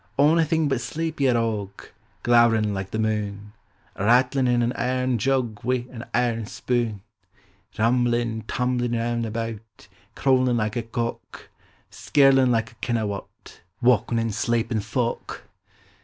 Ony thing but sleep, ye rogue: — glow'rin' like the moon, Kattlin' in an airn jug wi' an airn spoon, Kumblin', tumblin' rouu' about, erawin' like a cock, Skirlin' like a kenna what — wauknin' sleepin' folk